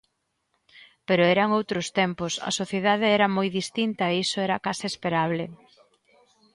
Pero eran outros tempos, a sociedade era moi distinta e iso era case esperable.